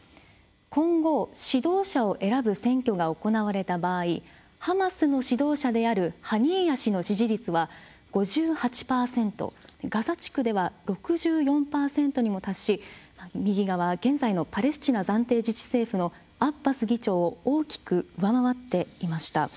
今後、指導者を選ぶ選挙が行われた場合ハマスの指導者であるハニーヤ氏の支持率は５８％ガザ地区では６４％にも達し右側、現在のパレスチナ暫定自治政府のアッバス議長を大きく上回っていました。